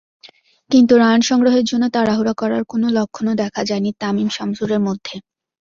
কিন্তু রান সংগ্রহের জন্য তাড়াহুড়া করার কোনো লক্ষণও দেখা যায়নি তামিম-শামসুরের মধ্যে।